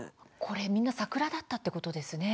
これ、みんなさくらだったってことですね。